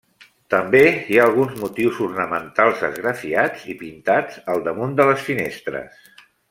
També hi ha alguns motius ornamentals esgrafiats i pintats al damunt de les finestres.